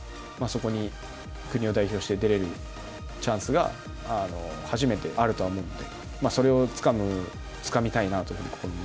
そこに国を代表して出れるチャンスが初めてあるとは思うので、それをつかみたいなというふうに、